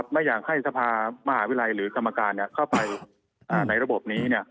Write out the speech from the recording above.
ไม่อยากให้สภามหาวิทยาลัยหรือกรรมการเข้าไปในระบบนี้